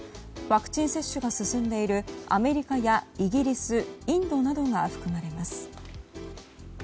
ワクチン接種が進んでいるアメリカやイギリスインドなどが含まれます。